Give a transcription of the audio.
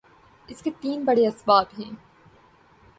اس کے تین بڑے اسباب ہیں۔